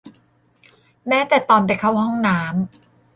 แม้แต่ตอนไปเข้าห้องน้ำ